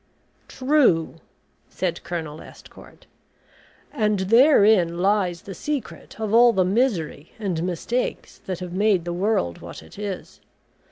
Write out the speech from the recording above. "True," said Colonel Estcourt, "and therein lies the secret of all the misery and mistakes that have made the world what it is.